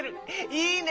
いいね！